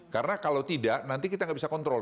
karena kalau tidak nanti kita tidak bisa kontrol